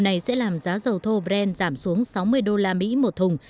này sẽ làm giá dầu thô brent giảm xuống sáu mươi đô la mỹ một thùng